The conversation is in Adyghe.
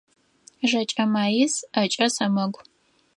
Жэкӏэ маис, ӏэкӏэ сэмэгу.